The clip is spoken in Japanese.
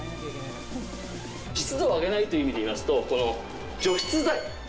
湿度を上げないという意味でいいますと除湿剤。